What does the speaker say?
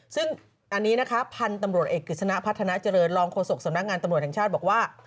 ซึ่งอันนี้นะคะพันธุ์ตำรวจเอกกฤษณะพัฒนาเจริญรองโฆษกสำนักงานตำรวจแห่งชาติบอกว่า